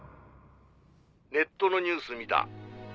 「ネットのニュース見た」